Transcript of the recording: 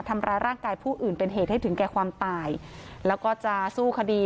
ทำร้ายร่างกายผู้อื่นเป็นเหตุให้ถึงแก่ความตายแล้วก็จะสู้คดี